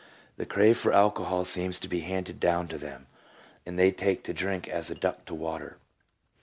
The crave for alcohol seems to be handed down to them, and they take to drink as a duck to water."